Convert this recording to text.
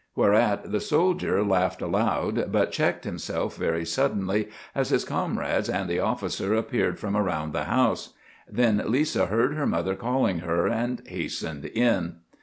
Whereat the soldier laughed aloud, but checked himself very suddenly as his comrades and the officer appeared from around the house. Then Lisa heard her mother calling her, and hastened in.